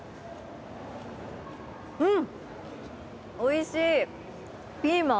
うん！